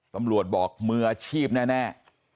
ตำรวจบอกมืออาชีพแน่